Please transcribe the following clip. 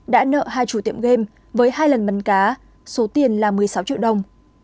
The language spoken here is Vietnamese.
đã nợ hai chủ tiệm game với hai lần bắn cá số tiền là một mươi sáu triệu đồng